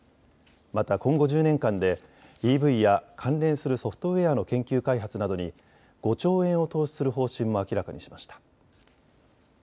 また今後１０年間でＥＶや関連するソフトウエアの研究開発などに５兆円を投資する方針も明らかにしました。